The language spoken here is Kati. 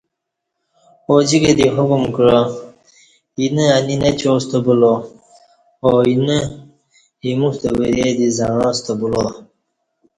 اوجِکہ دی حکم کعا اینہ انی نچاستہ بُولا او اینہ ایموستہ وری دی زعݩاسہ بولا